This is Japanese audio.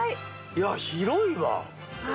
いや広いわ。